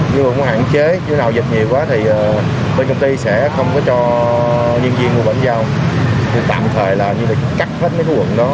nhiều quá thì bên công ty sẽ không có cho nhân viên mua bánh giao tạm thời là như là cắt hết mấy khu vực đó